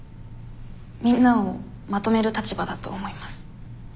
みんなをまとめる立場だと思います。